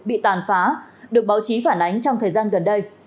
bị tàn phá được báo chí phản ánh trong thời gian gần đây